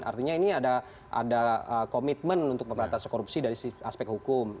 artinya ini ada komitmen untuk pemberantasan korupsi dari aspek hukum